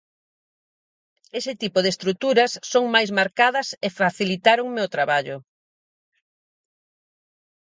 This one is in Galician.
Ese tipo de estruturas son máis marcadas e facilitáronme o traballo.